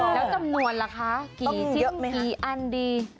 แล้วจำนวนล่ะคะกี่อันดี